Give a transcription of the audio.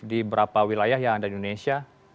di berapa wilayah yang ada di indonesia